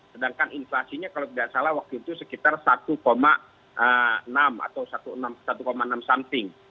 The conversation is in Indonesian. sedangkan inflasinya kalau tidak salah waktu itu sekitar satu enam atau satu enam something